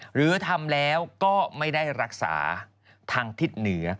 หรือทำแล้วก็ไม่ได้รักษาทางทิศเหนือ